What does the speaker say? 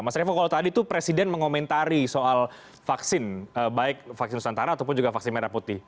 mas revo kalau tadi itu presiden mengomentari soal vaksin baik vaksin nusantara ataupun juga vaksin merah putih